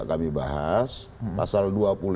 kami bahas pasal dua puluh